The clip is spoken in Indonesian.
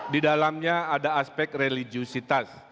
di dalamnya ada aspek religiositas